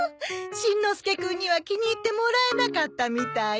しんのすけくんには気に入ってもらえなかったみたいね。